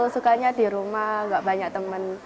sukanya di rumah nggak banyak teman